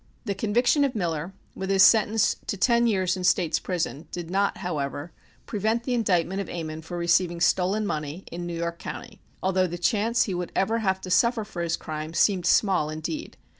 The conviction of Miller, with his sentence to ten years in State's prison did not, however, prevent the indictment of Ammon for receiving stolen money in New York County, although the chance that he would ever have to suffer for his crime seemed small indeed.